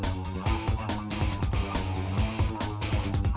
aduh aduh aduh aduh